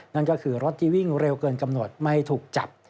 นั่นก็คือรถที่วิ่งเร็วเกินกำหนดไม่ถูกจับ